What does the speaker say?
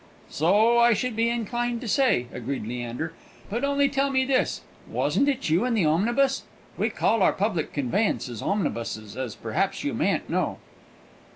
"So I should be inclined to say," agreed Leander. "But only tell me this, wasn't it you in the omnibus? We call our public conveyances omnibuses, as perhaps you mayn't know."